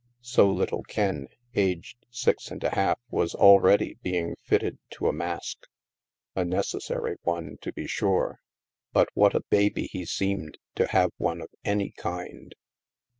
(So little Ken, aged six and a half, was already being fitted to a mask. A necessary one, to be sure, but what a baby he seemed to have one of any kind!)